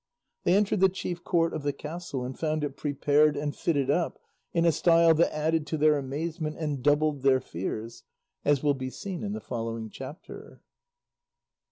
They entered the chief court of the castle and found it prepared and fitted up in a style that added to their amazement and doubled their fears, as will be seen in the following chapter.